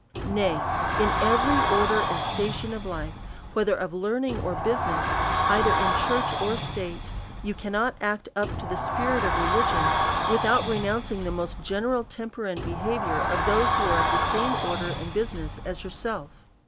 Nay, in every order and station of life, whether of learning or business, either in church or state^ you cannot act up to the spirit of religion, without re nouncing the most general temper and behaviour of those who are of the same order and business as your self.